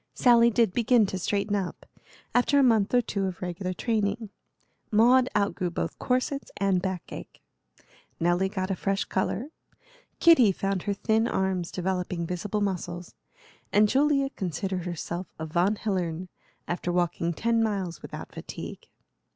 Sally did begin to straighten up, after a month or two of regular training; Maud outgrew both corsets and backache; Nelly got a fresh color; Kitty found her thin arms developing visible muscles; and Julia considered herself a Von Hillern, after walking ten miles without fatigue.